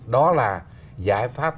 đó là giải pháp